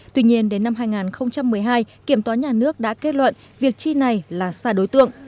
tuy nhiên đến năm hai nghìn một mươi hai kiểm toán nhà nước đã kết luận việc chi này là sai đối tượng